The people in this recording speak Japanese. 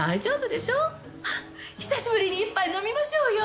久しぶりに一杯飲みましょうよ！